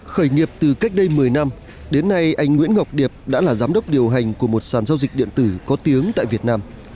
khởi nghiệp từ cách đây một mươi năm đến nay anh nguyễn ngọc điệp đã là giám đốc điều hành của một sàn giao dịch điện tử có tiếng tại việt nam